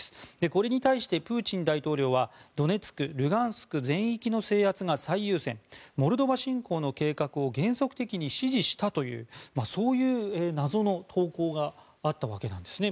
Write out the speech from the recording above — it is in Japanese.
これに対してプーチン大統領はドネツク、ルガンスク全域の制圧が最優先モルドバ侵攻の原則を指示したというそういう謎の投稿があったわけなんですね。